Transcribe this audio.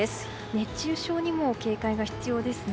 熱中症にも警戒が必要ですね。